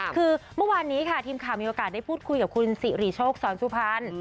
คือเมื่อวานนี้ค่ะทีมข่าวมีโอกาสได้พูดคุยกับคุณสิริโชคสอนสุพรรณ